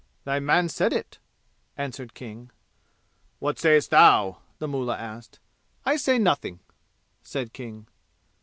"Thy man said it," answered King. "What sayest thou?" the mullah asked. "I say nothing," said King.